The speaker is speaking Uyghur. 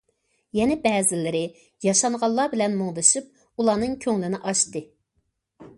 يەنە بەزىلىرى، ياشانغانلار بىلەن مۇڭدىشىپ، ئۇلارنىڭ كۆڭلىنى ئاچتى.